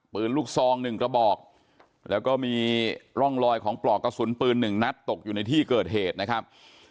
ปืนลูกซองหนึ่งกระบอกแล้วก็มีร่องรอยของปลอกกระสุนปืนหนึ่งนัดตกอยู่ในที่เกิดเหตุนะครับ